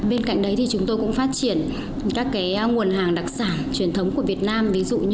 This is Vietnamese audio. bên cạnh đấy thì chúng tôi cũng phát triển các nguồn hàng đặc sản truyền thống của việt nam